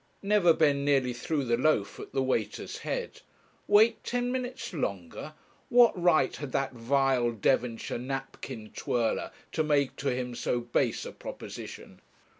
Neverbend nearly threw the loaf at the waiter's head. Wait ten minutes longer! what right had that vile Devonshire napkin twirler to make to him so base a proposition?